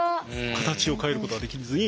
形を変えることはできずに。